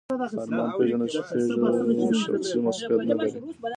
ارمان پيژو شخصي مسوولیت نهلري.